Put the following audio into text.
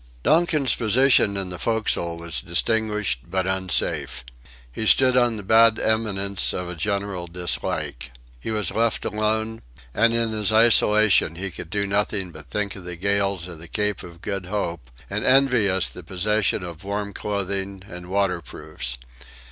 Donkin's position in the forecastle was distinguished but unsafe. He stood on the bad eminence of a general dislike. He was left alone; and in his isolation he could do nothing but think of the gales of the Cape of Good Hope and envy us the possession of warm clothing and waterproofs.